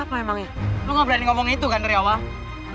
aku emangnya gue gak berani ngomong itu kan dari awal